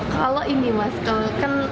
kalau ini mas kalau kan